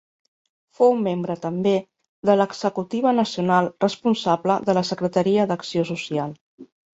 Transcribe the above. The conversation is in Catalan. Fou membre també de l'Executiva Nacional responsable de la secretaria d'Acció Social.